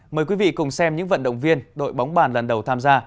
mời quý vị cùng xem những vận động viên đội bóng bàn lần đầu tham gia